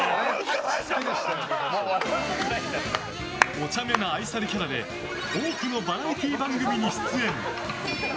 おちゃめな愛されキャラで多くのバラエティー番組に出演。